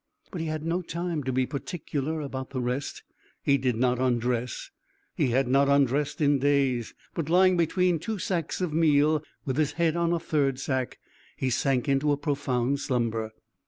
But he had no time to be particular about the rest. He did not undress he had not undressed in days but lying between two sacks of meal with his head on a third sack he sank into a profound slumber.